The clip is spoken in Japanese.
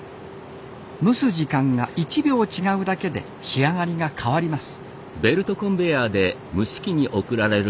蒸す時間が１秒違うだけで仕上がりが変わります